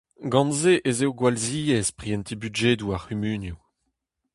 Gant-se ez eo gwall ziaes prientiñ budjedoù ar c'humunioù.